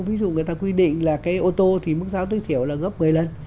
ví dụ người ta quy định là cái ô tô thì mức giá tối thiểu là gấp một mươi lần